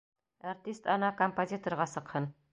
Әртист ана композиторға сыҡһын.